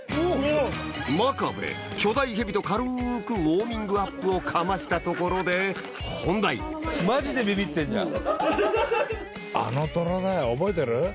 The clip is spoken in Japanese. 真壁巨大ヘビと軽くウォーミングアップをかましたところで本題あのトラだよ覚えてる？